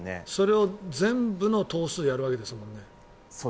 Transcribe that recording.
それを全部の投数やるわけですもんね。